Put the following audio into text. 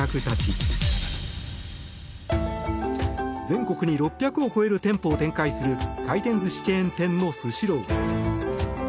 全国に６００を超える店舗を展開する回転寿司チェーン店のスシロー。